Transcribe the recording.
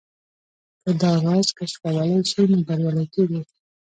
که دا راز کشفولای شئ نو بريالي کېږئ.